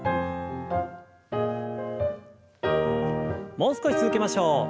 もう少し続けましょう。